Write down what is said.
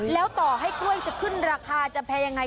แล้วต่อให้กล้วยจะขึ้นราคาจะแพงยังไง